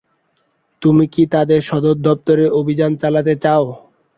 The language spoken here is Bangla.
তুমি কি তাদের সদর দপ্তরে অভিযান চালাতে চাও?